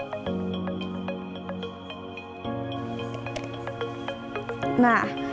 nah kalau saya lebih suka memperlakukan masker dengan masker yang tidak terlalu kering saya akan menggunakan masker yang terlalu kering